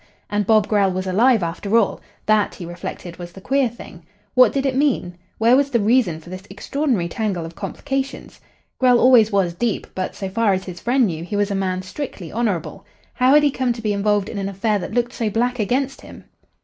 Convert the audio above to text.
And Bob Grell was alive after all; that, he reflected, was the queer thing. What did it mean? Where was the reason for this extraordinary tangle of complications? Grell always was deep, but, so far as his friend knew, he was a man strictly honourable. How had he come to be involved in an affair that looked so black against him?